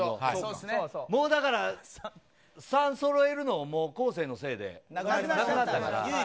もう、だから、３そろえるの昴生のせいでなくなったから。